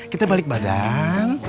kita balik badan